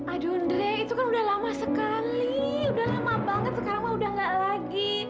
ajundle itu kan udah lama sekali udah lama banget sekarang mah udah gak lagi